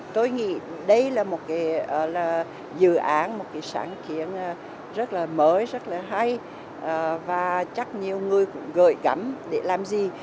tôi nghĩ đây là một cái dự án một cái sáng kiến rất là mới rất là hay và chắc nhiều người cũng gợi cắm để làm gì